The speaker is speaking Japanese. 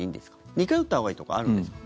２回打ったほうがいいとかあるんですか？